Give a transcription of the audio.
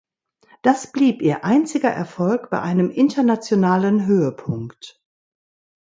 Das blieb ihr einziger Erfolg bei einem internationalen Höhepunkt.